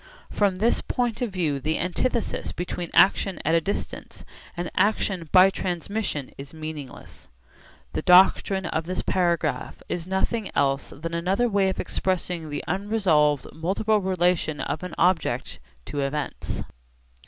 From this point of view the antithesis between action at a distance and action by transmission is meaningless. The doctrine of this paragraph is nothing else than another way of expressing the unresolvable multiple relation of an object to events.